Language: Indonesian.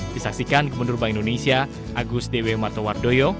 disaksikan gubernur bank indonesia agus dewi martowardoyo